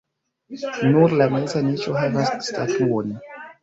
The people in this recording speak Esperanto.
Nur la meza niĉo havas statuon.